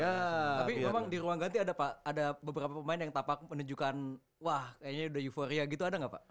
tapi memang di ruang ganti ada beberapa pemain yang menunjukkan wah kayaknya udah euforia gitu ada gak pak